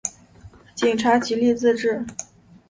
警察极力自制